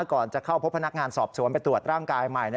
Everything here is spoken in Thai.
ก่อนจะเข้าพบพนักงานสอบสวนไปตรวจร่างกายใหม่